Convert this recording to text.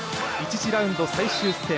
１次ラウンド最終戦